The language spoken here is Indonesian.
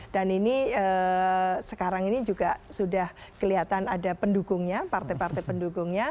dan ini sekarang ini juga sudah kelihatan ada pendukungnya partai partai pendukungnya